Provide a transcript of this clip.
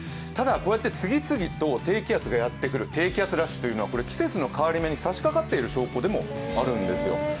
ただ、こうやって次々と低気圧がやってくる低気圧ラッシュというのは、季節の変わり目にさしかかっている証拠でもあるんですよ。